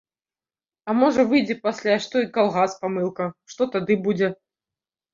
А можа выйдзе пасля, што і калгас памылка, што тады будзе?